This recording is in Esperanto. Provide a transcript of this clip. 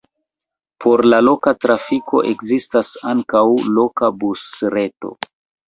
Por la loka trafiko ekzistas ankaŭ loka busreto.